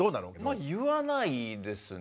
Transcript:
まあ言わないですね。